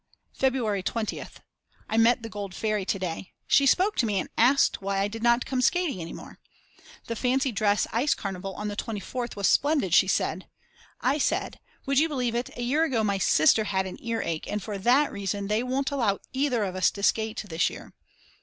February 20th. I met the Gold Fairy to day. She spoke to me and asked why I did not come skating any more. The fancy dress Ice Carnival on the 24th was splendid she said. I said: Would you believe it, a year ago my sister had an earache, and for that reason they won't allow either of us to skate this year.